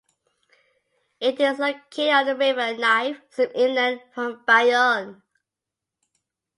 It is located on the river Nive some inland from Bayonne.